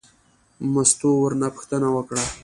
مستو ورنه پوښتنه وکړه.